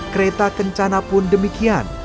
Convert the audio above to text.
kereta kencana pun demikian